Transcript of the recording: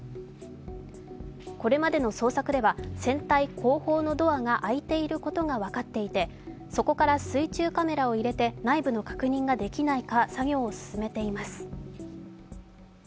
これまでの捜索では、船体後方のドアが開いていることが分かっていてそこから水中カメラを入れて内部の確認ができないか作業を進めています。